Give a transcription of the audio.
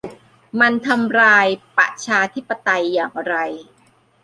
มันทำลายประชาธิปไตยอย่างไร